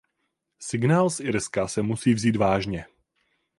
Signál z Irska se musí vzít vážně.